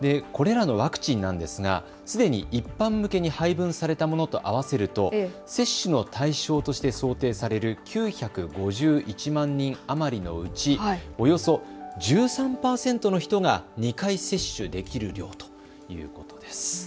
これらのワクチンなんですがすでに一般向けに配分されたものと合わせると接種の対象として想定される９５１万人余りのうちおよそ１３％の人が２回接種できる量ということです。